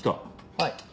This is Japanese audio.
はい。